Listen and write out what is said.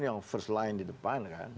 yang first line di depan kan